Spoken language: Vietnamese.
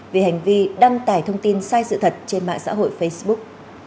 về hành vi đăng tải thông tin sai sự thật trên mạng xã hội facebook